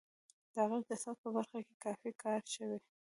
د غږ د ثبت په برخه کې کافی کار شوی